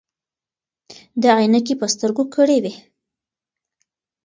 ده عینکې په سترګو کړې وې.